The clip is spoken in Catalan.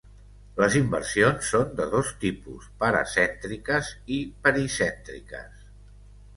Les inversions són de dos tipus: paracèntriques i pericèntriques.